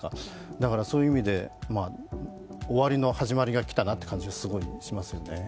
だからそういう意味で、終わりの始まりが来たなって感じがすごいしますよね。